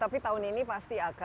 tapi tahun ini pasti akan